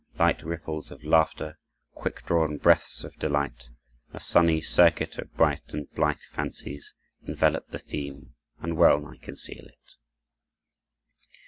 Light ripples of laughter, quick drawn breaths of delight, a sunny circuit of bright and blithe fancies, envelop the theme and well nigh conceal it.